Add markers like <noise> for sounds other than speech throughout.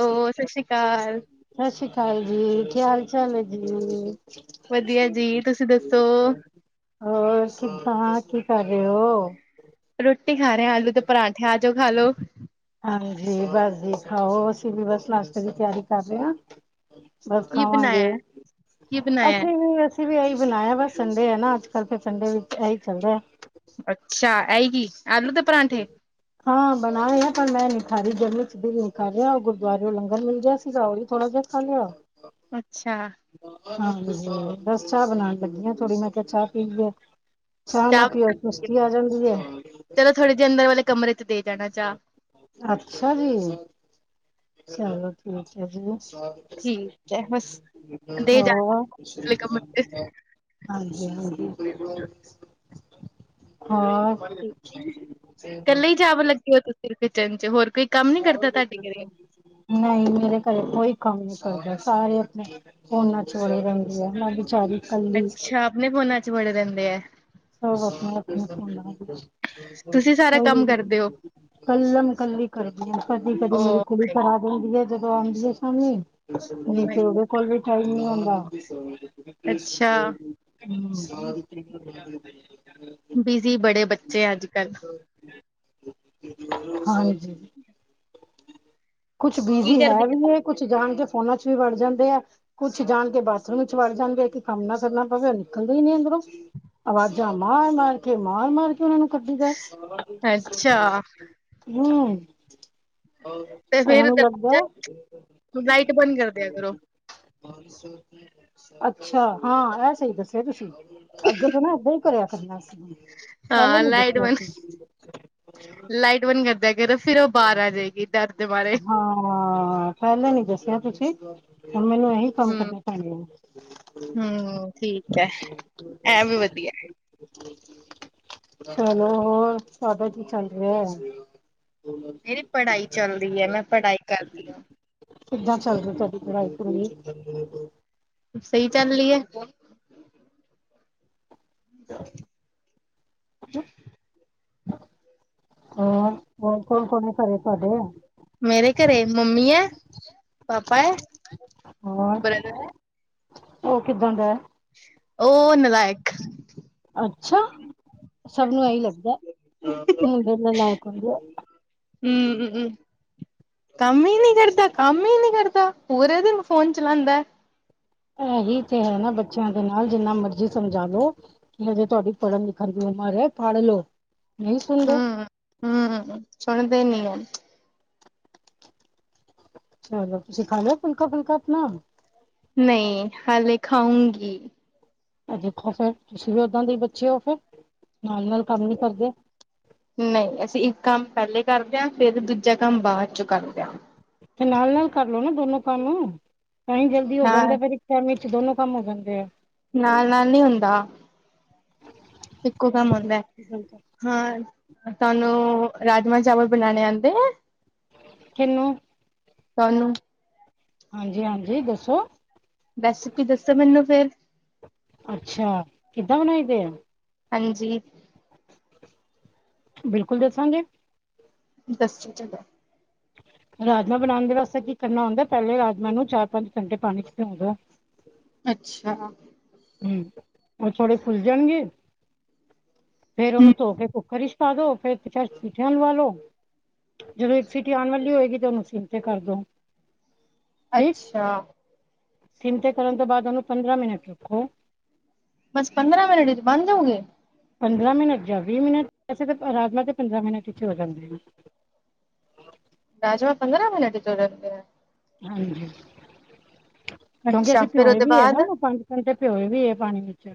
Hello ਸਤਿ ਸ੍ਰੀ ਅਕਾਲ ਸਤਿ ਸ਼੍ਰੀ ਅਕਾਲ ਜੀ ਕੀ ਹਾਲ? ਚਲੋ ਜੀ ਵਧੀਆ ਜੀ ਤੁਸੀਂ ਦੱਸੋ ਹੋਰ ਕਿਦਾਂ ਕੀ, ਕਰ ਰਹੇ ਉਹ ਰੋਟੀ ਖਾ ਰਹੇ ਆਲੂ ਤੇ ਪਰਾਂਠੇ ਆ ਜਾਓ ਖਾ ਲੋ ਹਾਂਜੀ ਬਸ ਜੀ ਖਾਓ ਅਸੀਂ ਵੀ ਬਸ ਨਾਸ਼ਤੇ ਦੀ ਤਿਆਰੀ ਕਰ ਰਹੇ ਹਾਂ। ਬਸ ਕੀ ਖਾਵਾਂਗੇ ਬਣਾਇਆ ਕੀ ਬਣਾਇਆ ਅਸੀਂ ਵੀ ਅਸੀਂ ਅਸੀਂ ਵੀ ਇਹੀ ਬਣਾਇਆ ਬਸ ਸੰਡੇ ਹੈ ਨਾ ਅੱਜ ਕੱਲ੍ਹ ਤੇ ਸੰਡੇ ਵਿੱਚ ਇਹੀ ਚੱਲਦੇ। ਅੱਛਾ ਇਹੀ ਕਿ ਦੇ ਪਰਾਂਠੇ? ਹਾਂ ਬਣਾਏ ਹਾਂ ਪਰ ਮੈਂ ਨਹੀਂ ਖਾ ਰਹੀ ਗਰਮੀ ਵਿੱਚ ਦਿਲ ਨਹੀਂ ਕਰ ਰਿਹਾ ਗੁਰਦੁਆਰਿਓ ਲੰਗਰ ਮਿਲ ਗਿਆ ਸੀਗਾ ਉਹੀ ਥੋੜ੍ਹਾ ਜਿਹਾ। ਖਾ ਲਿਆ। ਅੱਛਾ ਹਾਂਜੀ ਬਸ ਚਾਹ ਬਣਾਉਣ ਲੱਗੀ ਹਾਂ ਥੋੜ੍ਹੀ ਮੈਂ ਕਿਹਾ ਚਾਹ ਪੀ ਲੀਏ। ਚਾਹ ਨਾ ਪਿਓ ਸੁਸਤੀ ਆ ਜਾਂਦੀ ਹੈ। ਚਲੋ ਥੋੜੇ ਜਿਹੇ ਅੰਦਰ ਵਾਲੇ ਕਮਰੇ ਚ ਦੇ ਜਾਣਾ ਚਾਹ ਅੱਛਾ ਜੀ ਚਲੋ ਠੀਕ ਹੈ ਜੀ ਠੀਕ ਹੈ ਬਸ ਦੇ ਜਾਣ ਹੋਰ ਵਾਲੇ ਕਮਰੇ ਚ ਹਾਂਜੀ ਹ ਹਾਂ ਠੀਕ, ਇਕੱਲੇ ਹੀ ਚਾਵ ਲੱਗੇ ਤੁਸੀਂ ਕਿਚਨ ਚ ਹੋਰ। ਕੋਈ ਕੰਮ ਨੀ ਕਰਦਾ ਤੁਹਾਡੇ ਘਰੇ ਨਹੀਂ ਮੇਰੇ ਘਰੇ ਕੋਈ ਕੰਮ ਨ ਕਰ ਸਾਰੇ ਉਥੇ ਫੋਨਾਂ ਚ ਵੜੇ ਰਹਿੰਦੇ ਆ ਨਾ ਵਿਚਾਰੀ ਕੱਲੀ ਅੱਛਾ ਆਪਣੇ ਫੋਨਾਂ ਚ ਵੜੇ ਰਹਿੰਦੇ ਆ। ਸ ਆਪਣੀ ਤੁਸੀਂ ਸਾਰਾ ਕੋਈ ਕੰਮ ਕਰਦੇ ਹੋ ਕੱਲਮ ਕ <inaudible> ਜੀ ਕਦੀ ਕਦੀ ਓ ਮੇਰੀ ਕੁੜੀ ਮਾਈ ਗੋਡ ਕਰਾ ਦਿੰਦੀ ਹੈ ਜਦੋਂ ਆਉਂਦੀਏ ਸ਼ਾਮੀ। ਓ ਨਹੀ ਮਾਈ ਤੇ ਗੋਡ ਉਹਦੇ ਕੋਲ ਵੀ ਟਾਈਮ ਨ ਹੁੰਦਾ। ਅੱਛਾ ਸੰਭਧ <inaudible> ਬਿਜੀ ਬੜੇ ਬੱਚੇ ਅੱਜ ਕੱਲ ਹਾਂਜੀ ਕੁਛ ਕੀ ਬਿਜੀ ਹੈ ਕਰਦੀ ਵੀ ਇਹ ਕੁੱਛ ਜਾਣ ਕੇ ਫੋਨਾਂ ਚ ਵੀ ਵੜ ਜਾਂਦੇ ਆ ਕੁੱਛ ਜਾਣ ਕੇ ਬਾਥਰੂਮ ਚ ਵੜ ਜਾਂਦੇ ਆ ਕਿ ਕੰਮ ਨਾ ਕਰਨਾ ਪਵੇ ਉਹ ਨਿਕਲਦਾ ਹੀ ਨੀ ਅੰਦਰੋਂ। ਬਸ ਆਵਾਜ਼ਾਂ ਮਾਰ ਮਾਰ ਕੇ ਮਾਰ ਮਾਰ ਕੇ ਉਹਨਾ ਨੂੰ ਕੱਢੀ ਦਾ ਅੱਛਾ ਹਮ ਤੇ ਉਹਨਾ ਫੇਰ ਨੂੰ ਲੱਗਦਾ। ਦਰਵਾਜ਼ਾ ਲਾਈਟ ਬੰਦ ਕਰ ਦਿਆ ਕਰੋ। ਅੱਛਾ ਹਾਂ ਇਹ ਸਹੀ ਦੱਸਿਆ ਤੁਸੀਂ ਅੱਗੇ ਤੋਂ ਨਾ ਏਦਾਂ ਹੀ ਕਰਿਆ ਕਰਨਾ ਅਸੀ ਪਹਿਲੇ ਹਾਂ ਨੀ ਲਾਈਟ ਦੱਸਿਆ ਬੰਦ ਸੀ। ਲਾਈਟ ਬੰਦ ਕਰਦਿਆ ਕਰੋ ਫਿਰ ਉਹ ਬਾਹਰ ਆ ਜਾਏਗੀ ਡਰ ਦੇ ਮਾਰੇ ਹਾਂ ਪਹਿਲੇ ਨੀ ਦੱਸਿਆ ਤੁਸੀਂ ਹੁਣ ਮੈਨੂੰ ਇਹੀ ਕੰਮ ਹੂੰ ਕਰਨੇ ਪੈਣੇ ਆ। ਹੂੰ ਠੀਕ ਹੈ ਇਹ ਵੀ ਵਧੀਆ ਚਲੋ ਹੋਰ ਸਦਾ ਹੀ ਚੱਲ ਰਿਹਾ। ਮੇਰੀ ਪੜ੍ਹਾਈ ਚੱਲਦੀ ਹੈ ਮੈਂ ਪੜ੍ਹਾਈ ਕਰਦੀ ਹਾਂ। ਕਿੱਦਾਂ ਚੱਲਦੀ ਤੁਹਾਡੀ ਪੜ੍ਹਾਈ ਪੜੋਈ। ਸਹੀ ਚਲ ਰਹੀ ਹੈ? ਚ ਹੋਰ ਹੋਰ ਕੌਣ ਕੌਣ ਘਰੇ ਤੁਹਾਡੇ? ਮੇਰੇ ਘਰੇ ਮੰਮੀ ਹੈ ਪਾਪਾ ਹੈ ਹੋਰ ਬਰਦਰ ਹੈ ਉਹ ਕਿੱਦਾਂ ਦਾ? ਉਹ ਨਲਾਇਕ ਅੱਛਾ ਹੂੰ ਸਭ ਨੂੰ ਇਹੀ ਲੱਗਦਾ ਮੁੰਡੇ ਨਾਲਾਇਕ ਹੁੰਦੇ ਏ। ਹਮ ਕੰਮ ਹੀ ਨੀ ਕਰਦਾ ਕੰਮ ਨੀ ਕਰਦਾ ਪੂਰਾ ਦਿਨ ਫੋਨ ਚਲਾਉਂਦਾ। ਇਹੀ ਤੇ ਹੈ ਨਾ ਬੱਚਿਆਂ ਦੇ ਨਾਲ ਜਿੰਨਾ ਮਰਜੀ ਸਮਝਾ ਲੋ ਕਿ ਹਜੇ ਤੁਹਾਡੀ ਪੜ੍ਹਨ ਲਿਖਣ ਦੀ ਉਮਰ ਹੈ ਪੜ ਲਓ ਨਹੀਂ ਸੁਣਦੇ ਸੁਣਦੇ ਨੀਂ ਚਲੋ ਤੁਸੀਂ ਖਾ ਲਿਆ ਫੁਲਕਾ ਫਲਕਾ ਆਪਣਾ ਨਹੀਂ ਹਾਲੇ ਖਾਊਂਗੀ। ਦੇਖੋ ਫੇਰ ਤੁਸੀਂ ਵੀ ਓਦਾਂ ਦੀ ਬੱਚੇ ਹੋ ਫਿਰ ਨਾਲ-ਨਾਲ ਕੰਮ ਨੀ ਕਰਦੇ ਨਹੀਂ ਅਸੀਂ ਇੱਕ ਕੰਮ ਪਹਿਲੇ ਕਰਦਿਆਂ ਫਿਰ ਦੂਜਾ ਕੰਮ ਬਾਅਦ ਚੋਂ ਕਰਦਿਆਂ ਤੇ ਨਾਲ ਨਾਲ ਕਰਲੋ ਨਾ ਦੋਨੋ ਕੰਮ ਤਾਂ ਹੀ ਜਲਦੀ ਹੋ ਨਾਲ ਜਾਂਦਾ ਫੇਰ ਇੱਕ ਟਾਈਮ ਦੋਨੋ ਕੰਮ ਹੋ ਜਾਂਦੇ ਆ। ਨਾਲ ਨਾਲ ਨੀ ਹੁੰਦਾ। ਇੱਕੋ ਕੰਮ ਆਦਾ ਹੈ ਹਾਂ ਤੁਹਾਨੂੰ ਰਾਜਮਾ, ਚਾਵਲ ਬਣਾਣੇ ਆਦੇ ਐ? ਕਿਨੂੰ? ਤੁਹਾਨੂੰ ਹਾਂਜੀ-ਹਾਂਜੀ ਦੱਸੋ? ਵੈਸੇ ਕੋਈ ਦੱਸੋ ਮੈਨੂੰ ਫੇਰ ਅੱਛਾ ਕਿੱਦਾਂ ਬਣਾਈ ਦੇ ਆ ਹਾਂਜੀ, ਬਿਲਕੁਲ ਦੱਸਾਂਗੇੇ, ਦੱਸ ਚਲੋ, ਰਾਜਮਾਂ ਬਣਾਣ ਦੇ ਵਾਸਤੇ ਕੀ ਕਰਨਾ ਹੁੰਦਾ ਪਹਿਲੇ ਰਾਜਮਾਂ ਨੂੰ ਚਾਰ ਪੰਜ ਘੰਟੇ ਪਾਣੀ ਚ ਪੇਓਦੋ ਅੱਛਾ, ਹੂੰ ਉਹ ਥੋੜੇ ਫੁੱਲ ਜਾਣਗੇ ਫੇਰ ਉਹਨੂੰ ਧੋ ਕੇ ਕੁੱਕਰ ਹੀ ਪਾ ਦੋ ਫੇਰਾ ਸੀਟੀਆਂ ਲਵਾ ਲੋ ਜਦੋਂ ਇੱਕ ਸੀਟ ਆਉਣ ਵਾਲੀ ਹੋਏਗੀ। ਤੇ ਉਹਨੂੰ ਸਿਮ ਤੇ ਕਰਦੋ, ਅੱਛਾ, ਸਿਮ ਤੇ ਕਰਨ ਤੋਂ ਬਾਅਦ ਉਹਨੂੰ ਪੰਦਰਾਂ ਮਿੰਟ ਰੱਖੋ ਬਸ ਪੰਦਰਾਂ ਮਿੰਟ ਬਣ ਜਾਓਗੇ। ਪੰਦਰਾਂ ਮਿੰਟ ਜਾਂ ਵੀਹ ਮਿੰਟ ਵਸੇ ਤਾਂ ਰਾਜਮਾ ਤੇ ਪੰਦਰਾਂ ਮਿੰਟ ਵਿੱਚ ਹੋ ਜਾਂਦੇ ਆ। ਹੂੰ, ਰਾਜਵਾ ਪੰਦਰਾਂ ਮਿੰਟ ਚ ਹੋ ਜਾਂਦੇ ਏ ਹਾਂਜੀ ਕਿਉਂਕਿ ਅੱਛਾ ਅਸੀਂ ਫਿਰ ਪਿਉਏ ਉਹਦੇ ਵੀ ਏ ਨਾ ਬਾਅਦ ਪੰਜ ਘੰਟੇ ਪਿਉਏ ਵੀ ਏ, ਪਾਣੀ ਵਿੱਚ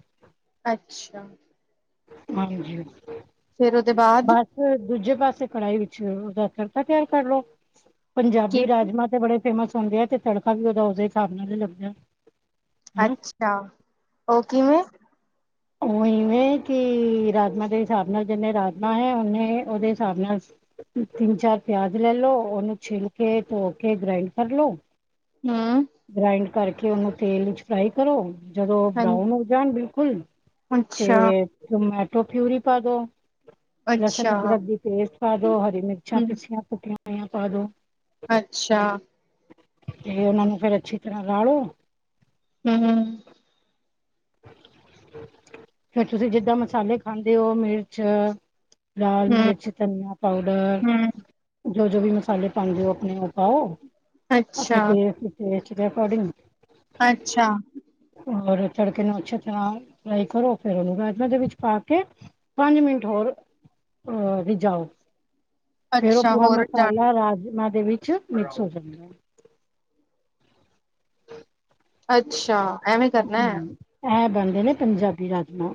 ਅੱਛਾ ਹਾਂਜੀ, ਫੇਰ ਉਹਦੇ ਬਾਅਦ ਬਸ ਦੂਜੇ ਪਾਸੇ ਕੜਾਹੀ ਵਿੱਚ ਉਹਦਾ ਤੜਕਾ ਤਿਆਰ ਕਰ ਲਓ। ਪੰਜਾਬੀ ਕਿਵੇਂ? ਰਾਜਮਾਂ ਤੇ ਬੜੇ ਫੇਮਸ ਹੁੰਦੇ ਆ ਤੇ ਤੜਕਾ ਵੀ ਉਹਦਾ ਦੇ ਹਿਸਾਬ ਨਾਲ ਲੱਗਦਾ। ਹਨਾ ਅੱਛਾ ਉਹ ਕਿਵੇਂ? ਉਹ ਇਵੇਂ ਕਿ ਰਾਜਮਾ ਦੇ ਹਿਸਾਬ ਨਾਲ ਜਿੰਨੇ ਰਾਜਮਾ ਹੈ ਉਹਨੇ ਉਹਦੇ ਹਿਸਾਬ ਨਾਲ ਤਿੰਨ ਚਾਰ ਪਿਆਜ ਲੈ ਲੋ ਉਹਨੂੰ ਛਿੱਲ ਕੇ ਧੋ ਕੇ ਗ੍ਰਾਇੰਡ ਕਰ ਲੋ, ਹੂੰ, ਗ੍ਰਇੰਡ ਕਰਕੇ ਉਹਨੂੰ ਤੇਲ ਵਿੱਚ ਫਰਾਈ ਕਰੋ। ਜਦੋਂ ਬਰਾਊਨ ਹਾਂਜੀ ਹੋ ਜਾਣ ਬਿਲਕੁਲ ਅੱਛਾ ਤੇ ਟਮੈਟੋ ਪਿਊਰੀ ਪਾ ਦੋ ਲਸਣ ਅੱਛਾ ਅਦਰਕ ਦੀ ਪੇਸਟ ਪਾ ਦੋ ਹਰੀ ਮਿਰਚਾਂ ਹੂੰ ਪਿੱਛੀਆਂ ਕੁੱਟੀਆਂ ਹੋਆਂ ਪਾ ਦੋ ਅੱਛਾ, ਤੇ ਉਹਨਾ ਨੂੰ ਫੇਰ ਅੱਛੀ ਤਰ੍ਹਾਂ ਗਾਲੋ, ਹੂੰ-ਹੂੰ, ਫਿਰ ਤੁਸੀਂ ਜਿੱਦਾਂ ਮਸਾਲੇ ਖਾਂਦੇ ਹੋ ਮਿਰਚ, ਲਾਲ ਮਿਰਚ ਧਨੀਆਂ ਪਾਊਡਰ ਹੂੰ ਜੋ ਜੋ ਵੀ ਮਸਾਲੇ ਪਾਂਦੇ ਔ ਅਪਨੇ ਔ ਪਾਓ ਅਪਨੇ ਅੱਛਾ ਟੇਸਟ ਦੇ ਅਕੋਡਿੰਗ ਅੱਛਾ, ਤੜਕੇ ਨੂੰ ਅੱਛੇ ਤਰ੍ਹਾਂ ਫਰਾਈ ਕਰੋ ਫਿਰ ਉਹਨੂੰ ਰਾਜਮ ਦੇ ਵਿੱਚ ਪਾ ਕੇ ਪੰਜ ਮਿੰਟ ਹੋਰ ਰੀਜਾਓ, ਫੇਰ ਔ ਅੱਛਾ ਪੂਰਾ ਹੋਰ ਜਾਣ ਮਸਾਲਾ ਰਾਜਮਾ ਦੇ ਵਿੱਚ ਮਿਕਸ ਹੋ ਜਾਂਨੇ ਏ ਅੱਛਾ ਐਵੇਂ ਕਰਨਾ ਹੈ ਹੂੰ ਇਹ ਬਣਦੇ ਨੇ ਪੰਜਾਬੀ ਰਾਜਮਾ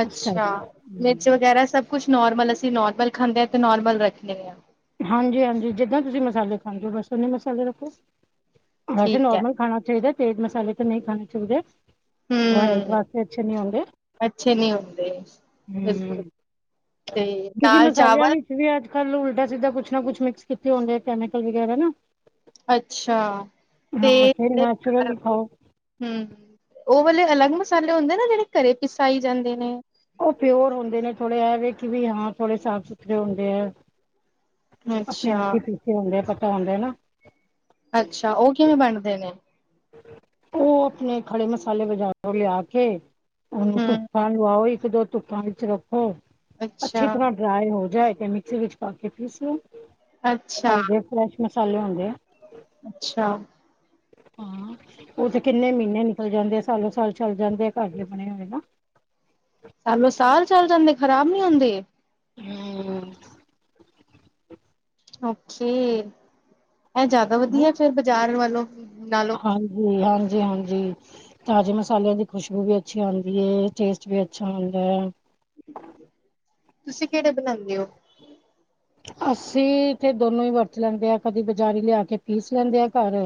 ਅੱਛਾ, ਮਿਰਚ ਵਗੈਰਾ ਸਭ ਕੁਛ ਨੋਰਮਲ ਅਸੀਂ ਨੋਰਮਲ ਖਾਂਦੇ ਆ ਤੇ ਨੋਰਮਲ ਰੱਖਨੇ ਆ। ਹਾਂਜੀ-ਹਾਂਜੀ। ਜਿੱਦਾਂ ਤੁਸੀਂ ਮਸਾਲੇ ਖਾਂਦੇ ੳ ਬਸ ਓਨੇ ਮਸਾਲੇ ਰੱਖੋ। ਵੈਸੇ ਠੀਕ ਹੈ ਨੋਰਮਲ ਖਾਣਾ ਚਾਹੀਦਾ ਏ, ਤੇਜ ਮਸਾਲੇ ਤੇ ਨਹੀਂ ਖਾਣੇ ਚਾਹੀਦੇ। ਹੂੰ ਵਾਸਤੇ ਅੱਛੇ ਨੀ ਹੁੰਦੇ ਅੱਛੇ ਨਹੀਂ ਹੁੰਦੇ ਬਿਲਕੁਲ ਤੇ ਕਿਉਂਕਿ ਨਾਲ ਮਸਾਲਿਆਂ ਚਾਵਲ ਵਿੱਚ ਵੀ ਕੱਲ੍ਹ ਨੂੰ ਉਲਟਾ ਸਿੱਧਾ ਕੁਛ ਨਾ ਕੁਛ ਮਿਕਸ ਕੀਤੇ ਹੁੰਦੇ ਏ ਕੈਮੀਕਲ ਵਗੈਰਾ ਨਾ ਅੱਛਾ, ਤੇ ਹਾਂ ਫਿਰ ਨੈਚੁਰਲ ਖਾਓ ਹਮ ਉਹ ੳਅ ਲੇ ਅਲੱਗ ਮਸਾਲੇ ਹੁੰਦੇ ਨਾ ਜਿਹੜੇ ਘਰੇ ਪਿਸਾਈ ਜਾਂਦੇ ਨੇ। ਉਹ ਪਿਓਰ ਹੁੰਦੇ ਨੇ ਥੋੜ੍ਹੇ ਐ ਵੇ ਕਿ ਵੀ ਹਾਂ ਥੋੜ੍ਹੇ ਸਾਫ਼ ਸੁਥਰੇ ਹੁੰਦੇ ਐ। ਅਪਨੇ ਅੱਛਾ, ਹੱਥੀ ਪਿੱਸੇ ਹੁੰਦੇ ਆ ਪਤਾ ਹੁੰਦੇ ਨਾ। ਅੱਛਾ, ਉਹ ਕਿਵੇਂ ਬਣਦੇ ਨੇ ਉਹ ਅਪਨੇ ਖੜੇ ਮਸਾਲੇ ਬਜ਼ਾਰੋ ਲਿਆ ਕੇ ਉਹਨੂੰ ਹੂੰ, ਧੁੱਪਾ ਲਵਾਓ ਇ ਇਕ ਦੋ ਧੁੱਪਾਂ ਵਿੱਚ ਰੱਖੋ ਅੱਛਾ, ਅੱਛੀ ਤਰ੍ਹਾਂ ਡਰਾਏ ਹੋ ਜਾਏ ਤੇ ਮਿਕਸੀ ਵਿੱਚ ਪਾ ਕੇ ਪੀਸ ਲੋ। ਅੱਛਾ, ਹਾਂਦੇ ਫਰੈਸ਼ ਮਸਾਲੇ ਹੁਦੇ ਆ। ਅੱਛਾ। ਹਾਂ ਉਹ ਤੇ ਕਿੰਨੇ ਮੀਨੇ ਨਿਕਲ ਜਾਂਦੇ ਆ ਸਾਲੋ ਸਾਲ ਚੱਲ ਜਾਂਦੇ ਆ ਘਰਦੇ ਬਣੇ ਹੋਏ ਨਾ। <inaudible> ਸਾਲੋ ਸਾਲ ਚੱਲ ਜਾਂਦੇ ਖ਼ਰਾਬ ਨੀ ਹੁੰਦੇ। ਹਮ। ਓਕੇੇ ਇਹ ਜ਼ਿਆਦਾ ਵਧੀਆ ਫੇਰ ਬਾਜ਼ਾਰ ਵਾਲੋ ਹਾਂਜੀ-ਹਾਂਜੀ-ਹਾਂਜੀ। ਤਾਜ਼ੇ ਮਸਾਲਿਆਂ ਦੀ ਖੁਸ਼ਬੂ ਵੀ ਅੱਛੀ ਆਂਦੀ ਏ, ਟੇਸਟ ਵੀ ਅੱਛਾ ਹੁੰਦੇ ਐ। ਤੁਸੀਂ ਕਿਹੜੇ ਬਨਾਦੇ ੳ। ਅਸੀ ਤੇ ਦੋਨੋਂ ਈ ਵਰਤ ਲੈਂਦੇ ਆ, ਕਦੀ ਬਾਜ਼ਾਰੀ ਲਿਆ ਕੇ ਪੀਸ ਲੈਂਦੇ ਆ ਘਰ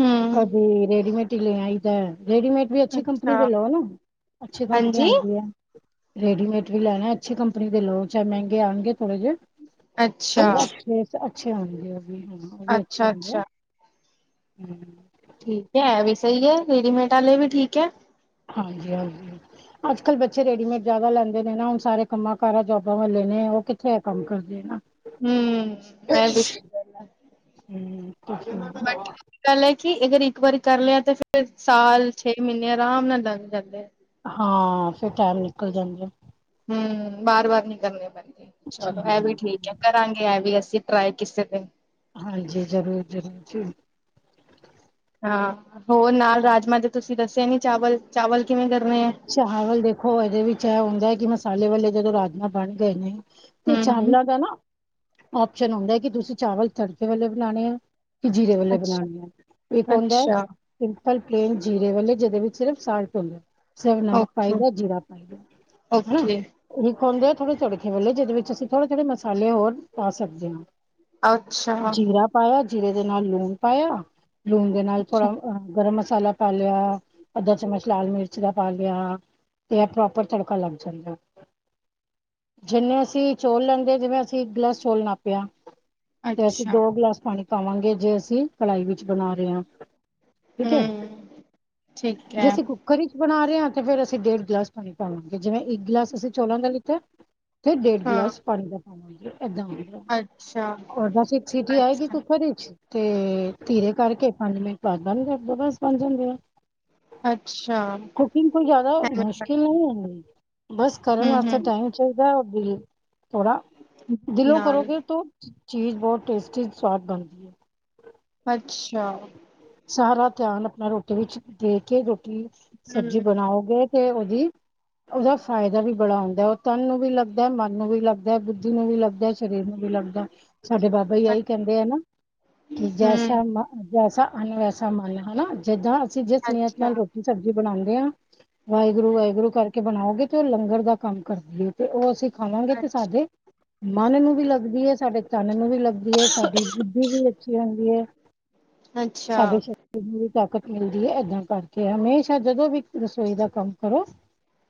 ਹੂੰ, ਕਦੇ ਰੇਡੀਮੇਟ ਈ ਲੇ ਆਈ ਦਾ। ਰੇਡੀਮੇਡ ਵੀ ਅੱਛੀ ਕੰਪਨੀ ਅੱਛਾ, ਦੇ ਲੋ ਨਾ ਅੱਛੀ ਕੰਪਨੀ ਹਾਂਜੀ। ਆਂਦੀ ਏ। ਰੇਡੀਮੇਟ ਵੀ ਲੈਨੇ ਅੱਛੀ ਕੰਪਨੀ ਦੇ ਲੋ ਚਾਹੇ ਮਹਿੰਗੇ ਆਨਗੇ। ਥੋੜੇ ਜੇ, ਅਛੇ ਅੱਛਾ, <unintelligible> ਉਹ ਵੀ ਅੱਛੇ ਅੱਛਾ, ਹੁੰਦੇ ਆ ਅੱਛਾ ਹਮ। ਠੀਕ ਹੈ ਇਹ ਵੀ ਸਹੀ ਏ ਰੇਡੀਮੇਡ ਆਲੇ ਵੀ ਠੀਕ ਹੈ। ਹਾਂਜੀ ਹਾਂਜੀ ਅੱਜ ਕੱਲ੍ਹ ਬੱਚੇ ਰੇਡੀਮੇਡ ਜਿਆਦਾ ਲੈਂਦੇ ਨੇ ਨਾ ਹੁਨ ਸਾਰੇ ਕੰਮਾਂ ਕਾਰਾਂ ਜੋਬਾਂ ਵਾਲੇ। ਨੇ ਉਹ ਕਿੱਥੇ ਕੰਮ ਕਰਦੇ ਨਾ- ਹਮ ਮੈਂ ਵੀ ਹਮ ਬਟ ਇੱਕ ਗੱਲ ਏ ਕਿ ਅਗਰ ਇੱਕ ਵਾਰੀ ਕਰ ਲਿਆ ਤੇ ਫੇਰ ਸਾਲ ਛੇ ਮੀਨੇ ਅਰਾਮ ਨਾਲ ਲਗ ਜਾਂਦੇ ਆ। ਹਾਂ ਫਿਰ ਟਾਈਮ ਨਿਕਲ ਜਾਂਦੇ। ਹਮ ਬਾਰ-ਬਾਰ ਨੀ ਕਰਨੇ ਪੈਂਦੇ ਚਲੋ, ਇਹ ਵੀ ਠੀਕ ਹੈ ਕਰਾਂਗੇ ਇਹ ਵੀ ਅਸੀਂ। ਟਰਾਏ ਕਿਸੇ ਤੇ ਹਾਂਜੀ, ਜ਼ਰੂਰ-ਜ਼ਰੂਰ ਜੀ ਹਾਂ ਹੋਰ ਨਾਲ ਰਾਜਮਾਂ ਦੇ ਤੁਸੀਂ ਦੱਸੇ ਨੀ ਚਾਵਲ ਚਾਵਲ ਕਿਵੇਂ ਕਦੇ ਚਾਵਲ ਦੇਖੋ ਇਹਦੇ ਵਿੱਚ ਇਹ ਹੁੰਦਾ ਕਿ ਮਸਾਲੇ ਵਾਲੇ ਜਦੋਂ ਰਾਜਮਾਂ ਬਣ ਗਏ ਨੇ ਤੇ ਹੂੰ। ਚਾਵਲਾਂ ਦਾ ਨਾ ਆਪਓਸ਼ਨ ਹੁੰਦਾ ਕਿ ਤੁਸੀਂ ਚਾਵਲ ਤੜਕੇ ਵਾਲੇੇ ਬਣਾਉਣੇ ਆ। ਕਿ ਜੀਰੇ ਵੇਲੇ ਅੱਛਾ। ਬਣਾਉਣੇ ਆ ਇੱਕ ਹੁੰਦਾ ਅੱਛਾ ਪਲੇਨ ਜੀਰੇ ਵਾਲੇ ਜਿਹਦੇ ਵਿੱਚ ਸਿਰਫ ਸਾਲਟ ਹੁੰਦੇ। ਸਭ ਨਮਕ ਓਕੇ ਪਾਈਦਾ, ਜੀਰਾ ਪਾਈਦਾ ਹਨਾ। ਓਕੇ ਹੁੰਦੇ ਆ ਥੋੜੇ ਥੋੜੇ ਵਿਰਲੇ ਜਿਹਦੇ ਵਿੱਚ ਅਸੀਂ ਥੋੜੇ ਥੋੜੇ ਮਸਾਲੇ ਹੋਰ ਪਾ ਸਕਦੇ ਹਾਂ । ਅੱਛਾ। ਜੀਰੇ ਦੇ ਨਾਲ ਲੂਣ ਪਾਇਆ ਲੂਣ ਦੇ ਨਾਲ ਅੱਛਾ। ਥੋੜਾ ਅਹ ਗਰਮ ਮਸ ਮਸਾਲਾ ਪਾ ਲਿਆ ਅੱਧਾ ਚਮਚ ਲਾਲ ਮਿਰਚ। ਚ ਪਾ ਲਿਆ ਤੇ ਪ੍ਰੋਪਰ ਤੜਕਾ ਲੱਗ ਜਾਂਦਾ । ਜਿੰਨੇ ਅਸੀਂ ਚੌਲ ਲੈਂਦੇ ਜਿਵੇਂ ਅਸੀਂ ਇੱਕ ਗਲਾਸ ਚੌਲ ਨਾਪਿਆ। ਤੇ ਅਸੀਂ ਅੱਛਾ ਦੋ ਗਿਲਾਸ ਪਾਣੀ ਪਾਵਾਂਗੇ ਜੇ ਅਸੀਂ ਕੜਾਈ ਵਿੱਚ ਬਣਾ ਰਹੇ ਹਾਂ। ਠੀਕ ਹੈ ਹੂੰ ਠੀਕ ਜੇ ਹੈ ਅਸੀਂ ਕੁੱਕਰ ਈ ਰਹੇ ਤੇ ਫਿਰ ਅਸੀਂ ਡੇਢ ਗਲਾਸ ਪਾਣੀ ਪਾਵਾਂਗੇ। ਜਿਵੇਂ ਇੱਕ ਗਿਲਾਸ ਅਸੀਂ ਚੌਲਾਂ ਦਾ ਲਿੱਤਾ। ਤੇ ਡੇਢ ਹਾਂ ਗਿਲਾਸ ਪਾਣੀ ਦਾ ਪਾਵਾਂਗੇ ਏਦਾਂ ਹੋਵੇਗਾ। ਅੱਛਾ। ਬਸ ਇੱਕ ਸਿਟੀ ਆਏਗੀ ਅੱਛਾ ਕੁੱਕਰ ਵਿੱਚ ਤੇ ਧੀਰੇ ਕਰਕੇ ਪੰਜ ਮਿੰਟ ਬੰਦ ਕਰ ਦਉ ਬਸ ਬਣ ਜਾਂਦੇ ਆ। ਅੱਛਾ ਕੁਕਿੰਗ ਕੋਈ ਜ਼ਿਆਦਾ ਮੁਸ਼ਕਿਲ ਨਹੀਂ ਹੁੰਦੀ ਬਸ ਕਰਨ ਹੂੰ ਵਾਸਤੇ ਹੂੰ ਟਾਈਮ ਚਾਹੀਦਾ। ਦਿਲ ਥੋੜਾ ਦਿਲੋਂ ਨਾਲ ਕਰੋਗੇ ਤੋ ਚੀਜ਼ ਬਹੁਤ ਟੇਸਟੀ ਸਵਾਦ ਬਣਦੀ ਐ। ਅੱਛਾ। ਸਾਰਾ ਧਿਆਨ ਆਪਣਾ ਰੋਟੀ ਵਿੱਚ ਦੇ ਕੇ ਰੋਟੀ ਸਬਜ਼ੀ ਹੂੰ, ਬਣਾਓਗੇ ਤੇ ਉਹਦੀ ਉਹਦਾ ਫਾਇਦਾ ਵੀ ਬੜਾ ਆਉਂਦਾ ਐ। ਉਹ ਤਨ ਨੂੰ ਵੀ ਲੱਗਦਾ ਮਨ ਨੂੰ ਵੀ ਲੱਗਦਾ ਐ। ਬੁੱਧੀ ਨੂੰ ਵੀ ਲੱਗਦਾ ਐ। ਸਰੀਰ ਨੂੰ ਵੀ ਲੱਗਦਾ ਐ। ਸਾਡੇ ਬਾਬਾ ਹੀ ਆਹੀ ਕਹਿੰਦੇ ਆ ਨਾ ਕਿ ਹੂੰ, ਜੈਸਾ ਮਨ ਵੈਸਾ ਅਨ ਵੈਸਾ ਮਨ ਹਨਾ ਜਿੱਦਾਂ ਅਸੀਂ ਜਿਸ ਨੀਅਤ ਅੱਛਾ, ਨਾਲ ਰੋਟੀ ਸਬਜ਼ੀ ਬਣਾਉਂਦੇ ਹਾਂ ਵਾਹਿਗੁਰੂ ਵਾਹਿਗੁਰੂ ਕਰਕੇ ਬਣਾਓਗੇ ਤੇ ਉਹ ਲੰਗਰ ਦਾ ਕੰਮ ਕਰਦੀ ਹੈ ਤੇ ਉਹ ਅਸੀਂ ਖਾਵਾਂਗੇ ਤੇ ਅੱਛਾ, ਸਾਡੇ ਮਨ ਨੂੰ ਵੀ ਲੱਗਦੀ ਹੈ। ਸਾਡੇ ਤਨ ਨੂੰ ਵੀ ਲੱਗ ਸਾਡੀ ਬੁੱਧੀ ਵੀ ਅੱਛੀ ਹੁੰਦੀ ਹੈ। ਅੱਛਾ, ਸਾਡੇ ਸ਼ਕਤੀ ਨੂੰ ਤਾਕਤ ਮਿਲਦੀ ਹੈ। ਇੱਦਾਂ ਕਰਕੇ ਹਮੇਸ਼ਾ ਜਦੋਂ ਵੀ ਰਸੋਈ ਦਾ ਕੰਮ ਕਰੋ।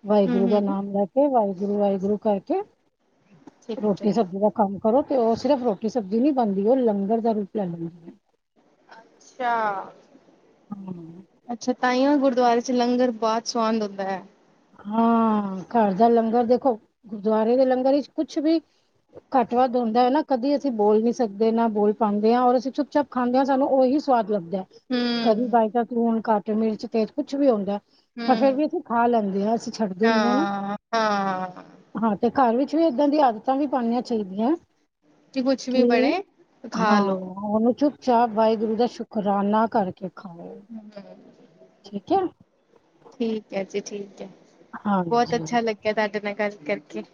ਵਾਹਿਗੁਰੂ ਦਾ ਹੂੰ-ਹੂੰ, ਨਾਮ ਲੈ ਕੇ ਵਾਹਿਗੁਰੂ ਵਾਹਿਗੁਰੂ ਕਰਕੇ ਠੀਕ ਐ। ਰੋਟੀ ਸਬਜ਼ੀ ਦਾ ਕੰਮ ਕਰੋ ਤੇ ਉਹ ਸਿਰਫ਼ ਰੋਟੀ ਸਬਜ਼ੀ ਨਹੀਂ ਬਣਦੀ। ਉਹ ਲੰਗਰ ਦਾ ਰੂਪ ਲੈ ਲੈਂਦੀ ਹੈ। ਹਾਂ ਅੱਛਾ-ਅੱਛਾ ਤਾਂ ਹੀ ਓ ਗੁਰ ਗੁਰਦੁਆਰੇ ਚ ਲੰਗਰ ਬਹੁਤ ਸਆਦ ਹੁੰਦਾ ਹੈ। ਹਾਂ ਘਰ ਦਾ ਲੰਗਰ ਦੇਖੋ ਗੁਰਦੁਆਰੇ ਦੇ ਲੰਗਰ ਵਿਚ ਕੁਛ ਵੀ ਘੱਟ ਵੱਧ ਹੁੰਦਾ ਹੈ ਨਾ ਕਦੇ ਅਸੀਂ ਬੋਲ ਨਹੀਂ ਸਕਦੇ ਨਾ ਬੋਲ ਪਾਉਦੇ ਹਾਂ ਔਰ ਅਸੀਂ ਚੁੱਪ ਚੁਪ ਖਾਂਦੇ ਆ। ਸਾਨੂੰ ਉਹੀ ਸਵਾਦ ਉਪਲਬਧ ਹੈ। ਕਦੀ ਹੂੰ, ਬਾਈ ਚਾਂਸ ਲੂਣ ਘੱਟ ਮਿਰਚ ਤੇਜ਼ ਕੁਛ ਵੀ ਆਉਂਦਾ ਤਾਂ ਫਿਰ ਹੂੰ, ਵੀ ਅਸੀਂ ਖਾ ਲੈਂਦੇ। ਅਸੀਂ ਛੱਡਦੇ ਨਹੀਂ ਆ ਨਾ। ਹਾਂ, ਹਾਂ। ਹਾਂ ਤੇ ਘਰ ਵਿੱਚ ਵੀ ਏਦਾਂ ਦੀ ਆਦਤਾਂ ਵੀ ਪਉਣੀਆਂ ਚਾਹੀਦੀਆਂ। ਕਿ ਕੁਛ ਵੀ ਕਿ ਬਣੇ ਖਾ ਹਾਂ ਲੋ, ਉਹਨਾਂ ਚ ਚਾਹ ਵਾਹਿਗੁਰੂ ਦਾ ਸ਼ੁਕਰਾਨਾ ਕਰਕੇ ਖਾਓ ਹੂੰ, ਠੀਕ ਹੈ। ਠੀਕ ਹੈ ਜੀ ਠੀਕ ਹੈ। ਬਹੁਤ ਹਾਂਜੀ ਅੱਛਾ ਲੱਗਿਆ ਤੁਹਾਡੇ ਨਾਲ ਗੱਲ ਕਰਕੇ।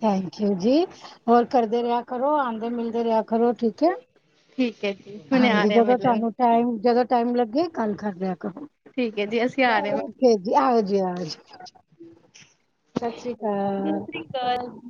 ਥੈਂਕ ਯੂ ਜੀ ਹੋਰ ਕਰਦੇ ਰਿਹਾ ਕਰੋ। ਆਉਂਦੇ ਮਿਲਦੇ ਰਿਹਾ ਕਰੋ ਠੀਕ ਹੈ। ਠੀਕ ਐ ਜੀ ਹੁਣੇ ਆ ਹਾਂਜੀ ਰਹੇ ਜਦੋਂ ਮਿਲਣ। ਤੁਹਾਨੂੰ ਟਾਈਮ ਜਦੋਂ ਟਾਈਮ ਲੱਗੇ ਗੱਲ ਕਰ ਲਿਆ ਠੀਕ ਐ ਜੀ ਅਸੀਂ ਆ ਰਹੇ ਹਾਂ। ਓਕੇ ਜੀ ਆਇਓ ਜੀ। ਜੀ ਆਇਓ ਜੀ। ਸਤਿ ਸ੍ਰੀ ਅਕਾਲ ।